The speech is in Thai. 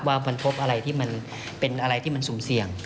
ว่ามันพบอะไรที่มันเป็นอะไรที่มันสุ่มเสี่ยง